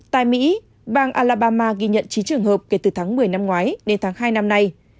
tại mỹ bang alabama ghi nhận chín trường hợp kể từ tháng một mươi năm ngoái đến tháng hai năm nay